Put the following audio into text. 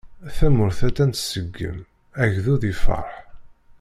Tamurt attan tseggem, agdud yefreḥ.